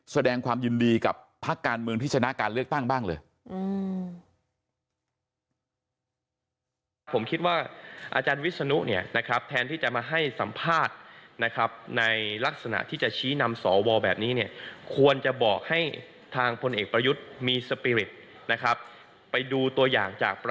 แสดงความยุ่นดีกับภาคการเมืองพิจารณาการเลือกตั้งบ้างเหรอ